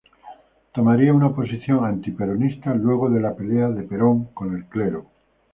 Tomaría una posición antiperonista luego de la pelea de Perón con el clero.